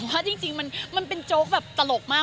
ต้องบอกว่าจริงมันเป็นโจ๊กตลกมาก